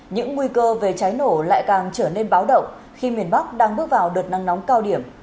những nguy cơ về cháy nổ lại càng trở nên báo động khi miền bắc đang bước vào đợt nắng nóng cao điểm